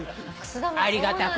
ありがたくない？